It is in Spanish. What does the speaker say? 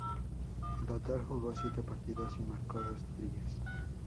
En total jugó siete partidos y marcó dos tries.